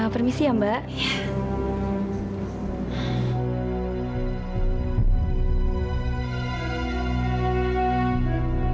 permisi ya mbak